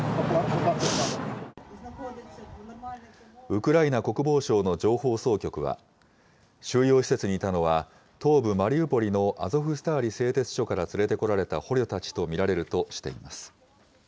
ウクライナ国防省の情報総局は、収容施設にいたのは、東部マリウポリのアゾフスターリ製鉄所から連れてこられた捕虜たちと見られるとしています。